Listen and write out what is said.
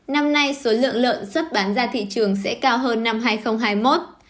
năm nay số lượng lợn xuất bán ra thị trường sẽ cao hơn năm hai nghìn hai mươi một